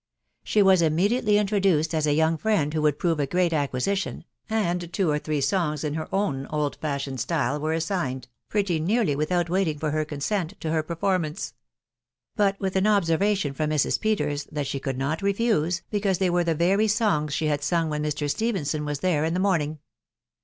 She was immediately introduced as a young friend who would prove a great acquisi tion, and two or three songs in her own old fashioned style were assigned, pretty nearly without waiting for her consent, to her performance; but w}th an observation from Mrs. Peters that she could not refuse, because they were the very songs . she had sung when Mr. Stephenson was there in the morning.